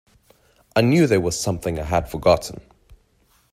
I knew there was something I had forgotten.